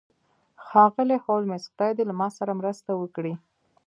ښاغلی هولمز خدای دې له ما سره مرسته وکړي